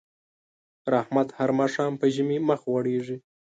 پر احمد هر ماښام په ژمي مخ غوړېږي.